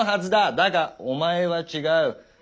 だがお前は違う。